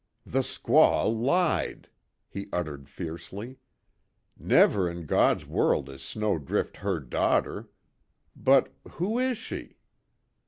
"The squaw lied!" he uttered fiercely. "Never in God's world is Snowdrift her daughter! But who is she?"